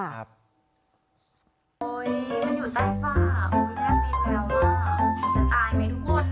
โอ๊ยมันอยู่ใต้ฝ้าแค่ติดแล้วว่าจะตายไหมทุกคน